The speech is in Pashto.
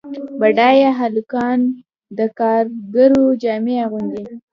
بډایه هلکان د کارګرو جامې اغوندي.